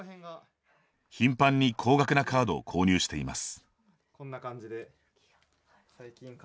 頻繁に高額なカードを購入しています。